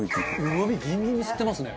うまみギンギンに吸ってますね。